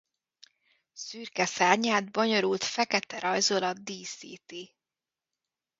Szürke szárnyát bonyolult fekete rajzolat díszíti.